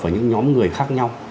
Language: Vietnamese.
ở những nhóm người khác nhau